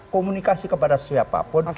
komunikasi kepada siapapun